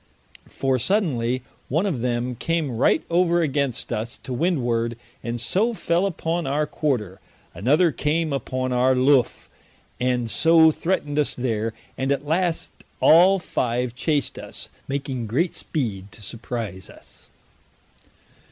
For suddenly one of them came right over against us to wind ward, and so fell upon our quarter: another came upon our luffe, and so threatened us there, and at last all five chased us, making great speed to surprise us.